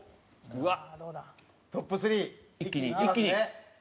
うわっ！